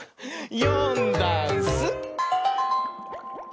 「よんだんす」